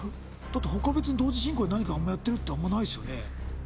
だってほか別に同時進行で何かやってるってあんまないですよね